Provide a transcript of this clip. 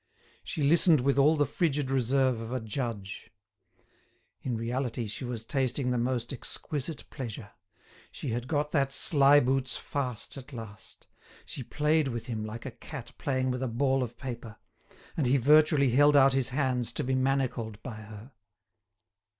She listened with all the frigid reserve of a judge. In reality she was tasting the most exquisite pleasure; she had got that sly boots fast at last; she played with him like a cat playing with a ball of paper; and he virtually held out his hands to be manacled by her.